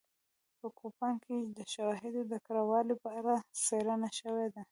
په کوپان کې د شواهدو د کره والي په اړه څېړنه شوې ده